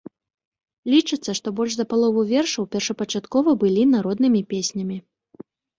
Лічыцца, што больш за палову вершаў першапачаткова былі народнымі песнямі.